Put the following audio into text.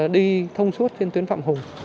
đi thông suốt trên tuyến phạm hùng